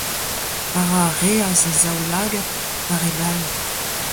Parañ a reas e zaoulagad war e bal.